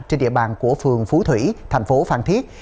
trên địa bàn của phường phú thủy thành phố phan thiết